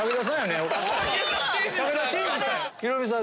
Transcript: ヒロミさん